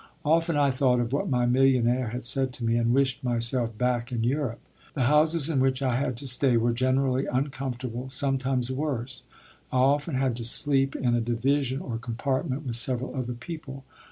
Often I thought of what my millionaire had said to me, and wished myself back in Europe. The houses in which I had to stay were generally uncomfortable, sometimes worse. I often had to sleep in a division or compartment with several other people.